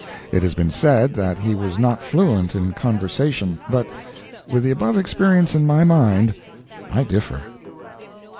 It has been said that he was not fluent in conversation, but, with the above experience in my mind, I differ.